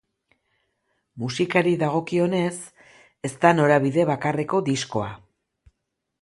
Musikari dagokionez, ez da norabide bakarreko diskoa.